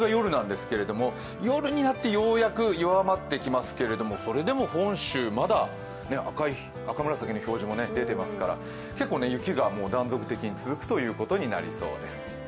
夜になってようやく弱まってきますけれどもそれでも本州、まだ赤紫の表示も出てますから結構、雪が断続的に続くということになりそうです。